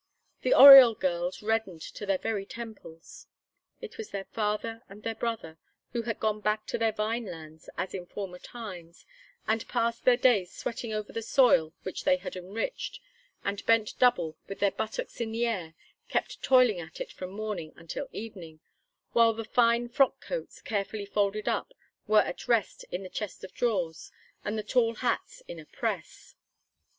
The Oriol girls reddened to their very temples. It was their father and their brother, who had gone back to their vine lands as in former times, and passed their days sweating over the soil which they had enriched, and bent double, with their buttocks in the air, kept toiling at it from morning until evening, while the fine frock coats, carefully folded up, were at rest in the chest of drawers, and the tall hats in a press.